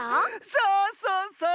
そうそうそう。